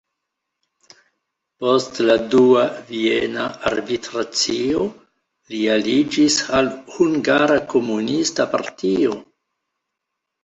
Post la Dua Viena Arbitracio li aliĝis al hungara komunista partio.